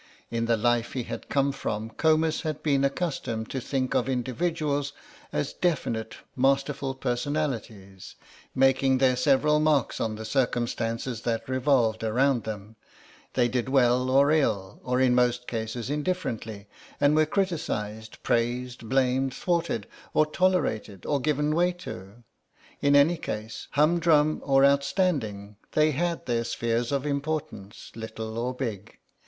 In the life he had come from Comus had been accustomed to think of individuals as definite masterful personalities, making their several marks on the circumstances that revolved around them; they did well or ill, or in most cases indifferently, and were criticised, praised, blamed, thwarted or tolerated, or given way to. In any case, humdrum or outstanding, they had their spheres of importance, little or big.